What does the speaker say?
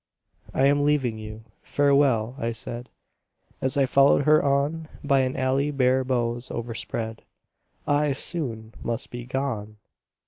ŌĆ£I am leaving you ... Farewell! ŌĆØ I said, As I followed her on By an alley bare boughs overspread; ŌĆ£I soon must be gone!